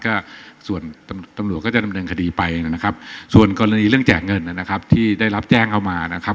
ก็ส่วนตำรวจก็จะดำเนินคดีไปนะครับส่วนกรณีเรื่องแจกเงินนะครับที่ได้รับแจ้งเอามานะครับ